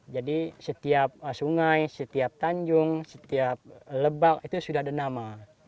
jadi setiap sungai setiap tanjung setiap lebak itu sudah ada nama